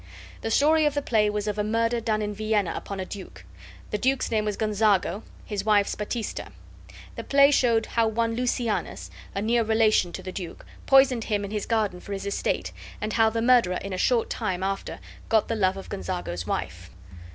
The story of the play was of a murder done in Vienna upon a duke. The duke's name was Gonzago, his wife's Baptista. The play showed how one Lucianus, a near relation to the duke, poisoned him in his garden for his estate, and how the murderer in a short time after got the love of Gonzago's wife.